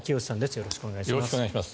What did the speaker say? よろしくお願いします。